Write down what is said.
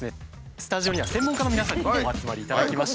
スタジオには専門家の皆さんにお集まりいただきました。